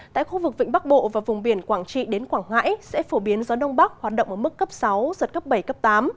tại khu vực vịnh bắc bộ và vùng biển quảng trị đến quảng ngãi sẽ phổ biến gió đông bắc hoạt động ở mức cấp sáu giật cấp bảy cấp tám